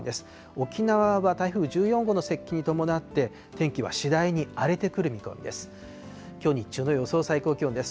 沖縄は台風１４号の接近に伴って、天気は次第に荒れてくる見込みです。